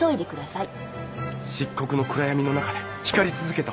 漆黒の暗闇の中で光り続けた星々よ。